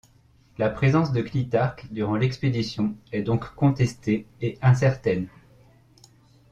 La présence de Clitarque durant l'expédition est donc contestée et incertaine.